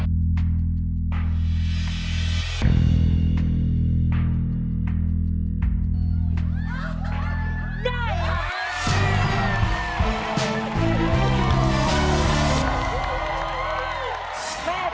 ได้ครับ